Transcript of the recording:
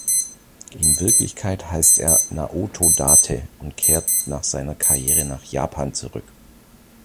In Wirklichkeit heißt er Naoto Date und kehrt nach seiner Karriere nach Japan zurück.